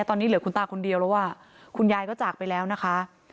ตอนนี้เหลือคุณตาคนเดียวแล้วอ่ะคุณยายก็จากไปแล้วนะคะ